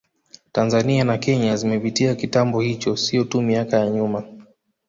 Tanzania na Kenya zimepitia kitambo hicho sio tu miaka ya nyuma